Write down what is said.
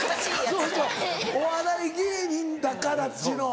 そうそう「お笑い芸人だから」っていうの。